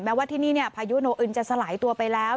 ว่าที่นี่พายุโนอึนจะสลายตัวไปแล้ว